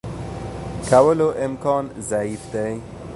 کولو امکان ضعیف دی.